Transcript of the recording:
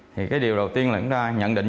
thì cái điều đầu tiên là chúng ta nhận định